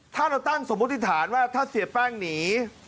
ถ้าเราตั้งสมมุติฐานว่าถ้าเสียแป้งหนี